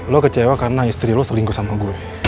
lo kecewa karena istri lo selingkuh sama gue